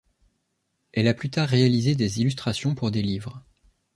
Elle a plus tard réalisé des illustrations pour des livres.